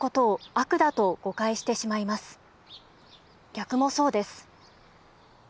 逆もそうです。